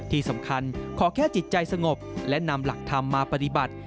ที่สำคัญขอแค่จิตใจสงบและนำหลักธรรมมาปฏิบัติ